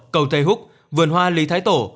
hồ thế húc vườn hoa lý thái tổ